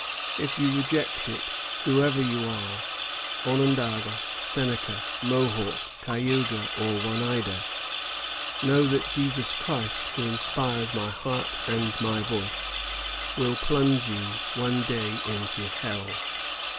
If you reject it, whoever you are, — Onondaga, Seneca, Mohawk, Cayuga, or Oneida, — know that Jesus Christ, who inspires my heart and my voice, will plunge you one day into hell.